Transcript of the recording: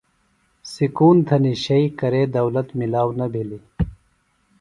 سکون تھنیۡ شئی کرے دولت ملاو نہ بھِلیۡ۔